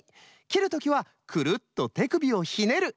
きるときはくるっとてくびをひねる！